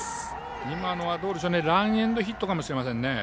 今のはランエンドヒットかもしれません。